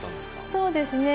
そうですね。